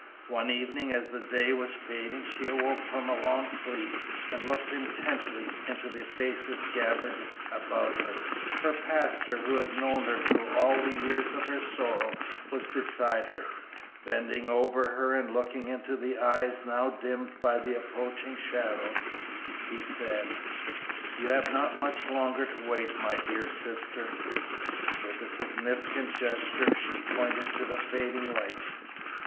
One evening as the day was fading she awoke from a long sleep and looked intently into the faces gathered about her. Her pastor, who had known her through all the years of her sorrow, was beside her. Bending over her and looking into the eyes now dimmed by the approaching shadows, he said, "You have not much longer to wait, my dear sister." With a significant gesture she pointed to the fading light.